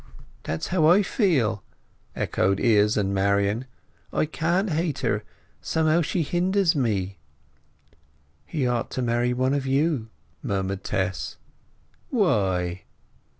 "That's how I feel," echoed Izz and Marian. "I can't hate her. Somehow she hinders me!" "He ought to marry one of you," murmured Tess. "Why?"